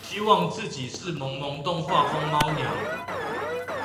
希望自己是萌萌動畫風貓娘